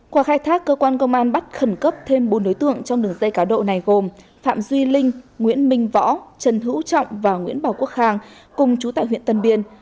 qua khai thác cơ quan công an bắt khẩn cấp thêm bốn đối tượng trong đường dây cá độ này gồm phạm duy linh nguyễn minh võ trần hữu trọng và nguyễn bảo quốc khang cùng chú tại huyện tân biên